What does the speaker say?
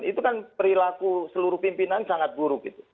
itu kan perilaku seluruh pimpinan sangat buruk gitu